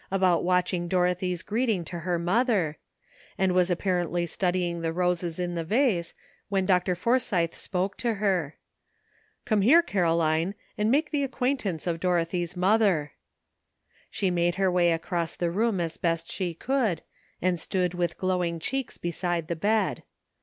about watching Dorothy's greeting to her mother, and was apparently studying the roses in the vase, when Dr. Forsythe spoke to her. ''Come here, Caroline, and make the ac quaintance of Dorothy's mother." She made her way across the room as best she could, and stood with glowing cheeks beside the bed.